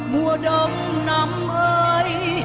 mùa đông năm mới